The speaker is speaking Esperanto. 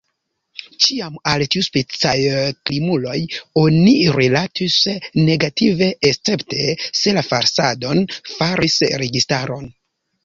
Ĉiam al tiuspecaj krimuloj oni rilatis negative, escepte se la falsadon faris registaro.